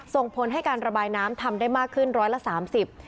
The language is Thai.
ส่งผลให้การระบายน้ำทำได้มากขึ้นร้อยละสามสิบ